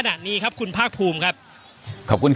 อย่างที่บอกไปว่าเรายังยึดในเรื่องของข้อ